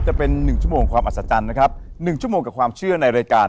จะเป็น๑ชั่วโมงความอัศจรรย์นะครับ๑ชั่วโมงกับความเชื่อในรายการ